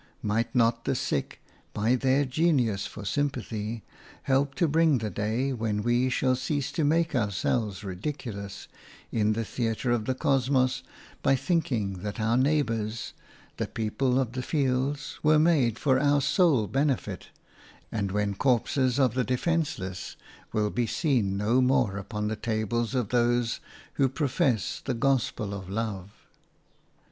Might not the sick, by their genius for sympathy, help to bring the day when we shall cease to make ourselves ridiculous in the theatre of the cosmos by thinking that our neighbours, the people of the fields, were made for our sole benefit, and when corpses of the defenceless will be seen no more upon the tables of those who profess the gospel of love?